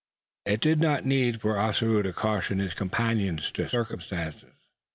It did not need for Ossaroo to caution his companions to circumspection.